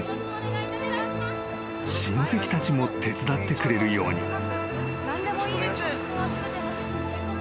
［親戚たちも手伝ってくれるように］